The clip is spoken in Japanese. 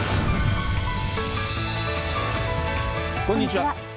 こんにちは。